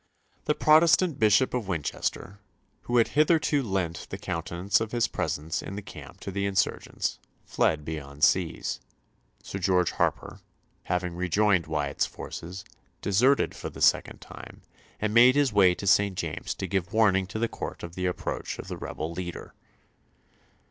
The Protestant Bishop of Winchester, who had hitherto lent the countenance of his presence in the camp to the insurgents, fled beyond seas; Sir George Harper, having rejoined Wyatt's forces, deserted for the second time, and made his way to St. James's to give warning to the Court of the approach of the rebel leader.